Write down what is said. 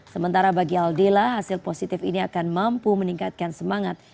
sementara bagi aldila hasil positif ini akan mampu meningkatkan semangat